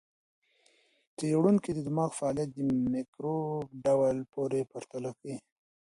څېړونکي د دماغ فعالیت د مایکروب ډول پورې پرتله کوي.